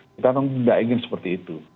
kita tidak ingin seperti itu